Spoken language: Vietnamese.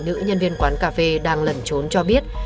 nữ nhân viên quán cà phê đang lẩn trốn cho biết